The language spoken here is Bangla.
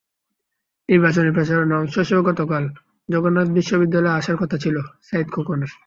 নির্বাচনী প্রচারণার অংশ হিসেবে গতকাল জগন্নাথ বিশ্ববিদ্যালয়ে আসার কথা ছিল সাঈদ খোকনের।